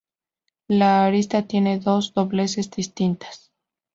La arista tiene dos dobleces distintas.